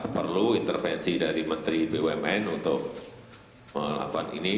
perlu intervensi dari menteri bumn untuk melakukan ini